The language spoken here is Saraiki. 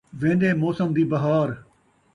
وین٘دے موسم دی بہار